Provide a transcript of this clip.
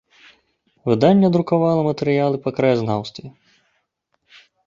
Выданне друкавала матэрыялы па краязнаўстве.